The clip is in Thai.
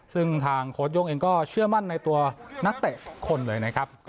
ซึ่งทางโค้ชโย่งเองก็เชื่อมั่นในตัวนักเตะคนเลยนะครับ